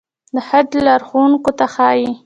د حج لارښوونکو ته ښايي.